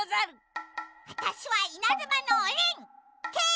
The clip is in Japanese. わたしはいなずまのおリン！